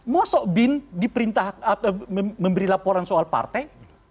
mau sok bin memberi laporan soal partai